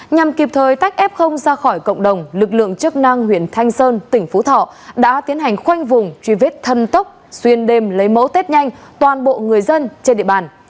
nhằm kịp thời tách f ra khỏi cộng đồng lực lượng chức năng huyện thanh sơn tỉnh phú thọ đã tiến hành khoanh vùng truy vết thân tốc xuyên đêm lấy mẫu tết nhanh toàn bộ người dân trên địa bàn